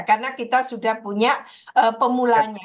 karena kita sudah punya pemulanya